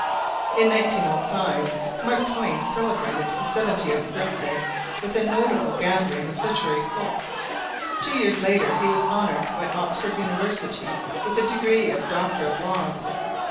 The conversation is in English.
In 1905 Mark Twain celebrated his seventieth birthday with a notable gathering of literary folk. Two years later he was honored by Oxford University with the degree of Doctor of Laws.